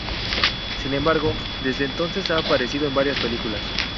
Sin embargo, desde entonces ha aparecido en varias películas.